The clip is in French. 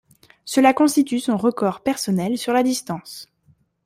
Cela constitue son record personnel sur la distance.